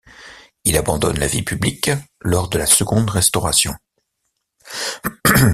Il abandonne la vie publique lors de la Seconde Restauration.